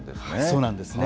そうなんですね。